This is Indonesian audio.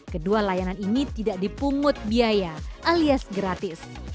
kedua layanan ini tidak dipungut biaya alias gratis